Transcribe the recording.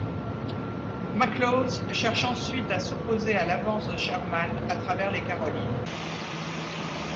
McLaws cherche ensuite à s’opposer à l’avance de Sherman à travers les Carolines.